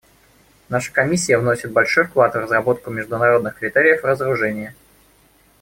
Наша Комиссия вносит большой вклад в разработку международных критериев разоружения.